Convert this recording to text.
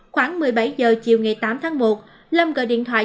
khoảng một mươi bảy h chiều ngày tám tháng một lâm gọi điện thoại